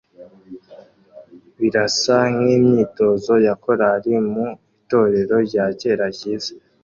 Birasa nkimyitozo ya korari mu itorero rya kera ryiza